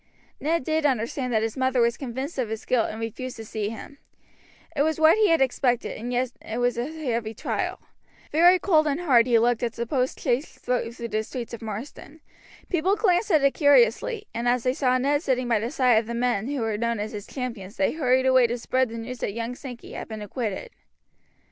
Ned did understand that his mother was convinced of his guilt and refused to see him; it was what he expected, and yet it was a heavy trial. Very cold and hard he looked as the postchaise drove through the streets of Marsden. People glanced at it curiously, and as they saw Ned sitting by the side of the men who were known as his champions they hurried away to spread the news that young Sankey had been acquitted.